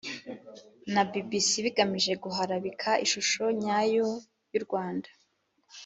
na bbc bigamije guharabika ishusho nyayo y'u rwanda